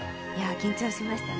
緊張しましたね。